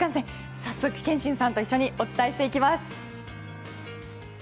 早速、憲伸さんとお伝えしていきます。